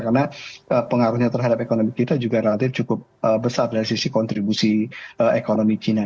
karena pengaruhnya terhadap ekonomi kita juga relatif cukup besar dari sisi kontribusi ekonomi china